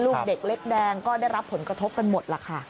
ลูกเด็กเล็กแดงก็ได้รับผลกระทบกันหมดล่ะค่ะ